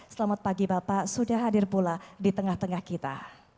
selamat pagi bapak sudah hadir pula di tengah tengah kita